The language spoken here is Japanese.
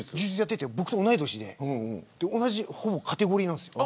僕と同い年でほぼ同じカテゴリなんです。